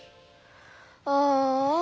ああ。